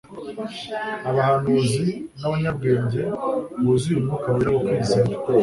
Abahanuzi n'abanyabwenge, buzuye Umwuka wera no kwizera,